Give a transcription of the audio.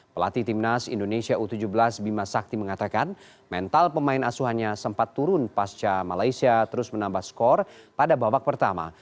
pelatih timnas indonesia u tujuh belas bima sakti mengatakan mental pemain asuhannya sempat turun pasca malaysia terus menambah skor pada babak pertama